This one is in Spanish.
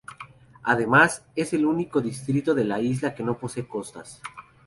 Además, es el único distrito de la isla que no posee costas.